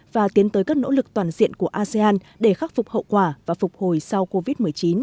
và tiến tới các nỗ lực toàn diện của asean để khắc phục hậu quả và phục hồi sau covid một mươi chín